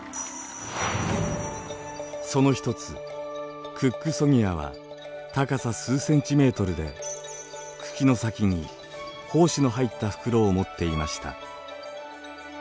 その一つクックソニアは高さ数センチメートルで茎の先に胞子の入った袋を持っていました。